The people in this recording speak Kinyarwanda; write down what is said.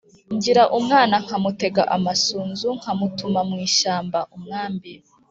Ngira umwana nkamutega amasunzu nkamutuma mu ishyamba-Umwambi.